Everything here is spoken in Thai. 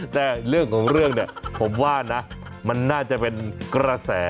แต่เรื่องของเรื่องเนี่ยผมว่านะมันน่าจะเป็นกระแส